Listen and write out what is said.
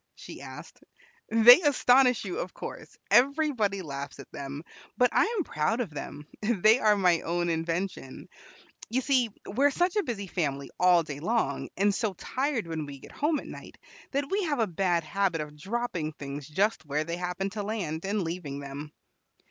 she asked. "They astonish you, of course; everybody laughs at them; but I am proud of them; they are my own invention. You see, we are such a busy family all day long, and so tired when we get home at night, that we have a bad habit of dropping things just where they happen to land, and leaving them.